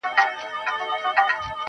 له خپل کوششه نا امیده نه وي-